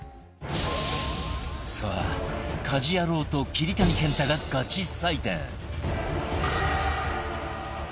さあ家事ヤロウと桐谷健太がガチ採点